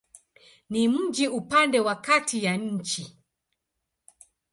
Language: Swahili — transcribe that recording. Ni mji upande wa kati ya nchi.